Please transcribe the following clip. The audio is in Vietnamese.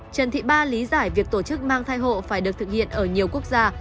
trần thị ba lý giải việc tổ chức mang thai hộ phải được thực hiện ở nhiều quốc gia